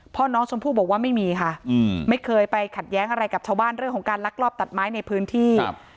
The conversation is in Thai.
พ่อน้องชมพู่บอกว่าไม่มีค่ะไม่เคยไปขัดแย้งอะไรกับชาวบ้านเรื่องของการลักลอบตัดไม้ในพื้นที่